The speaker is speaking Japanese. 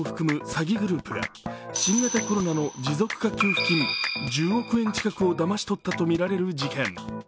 詐欺グループが新型コロナの持続化給付金１０億円近くをだまし取ったとみられる事件。